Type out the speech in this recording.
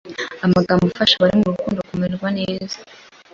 amagambo afasha abari mu rukundo kumerwa neza